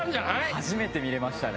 初めて見れましたね